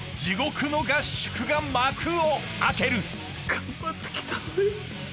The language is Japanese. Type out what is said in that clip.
頑張ってきたのに。